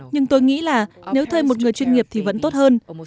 nhưng tôi nghĩ là nếu thay một người chuyên nghiệp thì vẫn tốt hơn